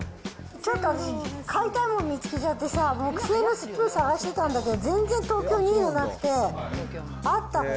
ちょっと私、買いたいもの見つけちゃってさ、木製のスプーン探してたんだけど、全然、東京にいいのなくて、あった！